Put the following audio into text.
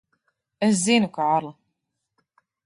Es zinu, Kārli.